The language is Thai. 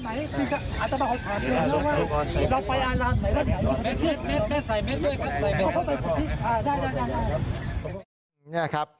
เม็ดใส่เม็ดด้วยครับ